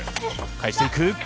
返していく。